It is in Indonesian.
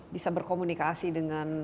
bisa berkomunikasi dengan